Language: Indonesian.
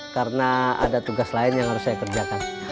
karena ada tugas lain yang harus saya kerjakan